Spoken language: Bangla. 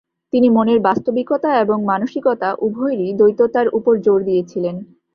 তিনি মনের বাস্তবিকতা এবং মানসিকতা - উভয়েরই দ্বৈততার উপর জোর দিয়েছিলেন।